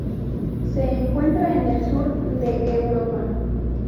Se encuentra en el sur de Europa.